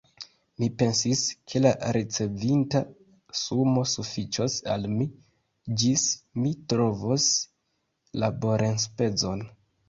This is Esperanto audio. Mi pensis, ke la ricevita sumo sufiĉos al mi, ĝis mi trovos laborenspezon.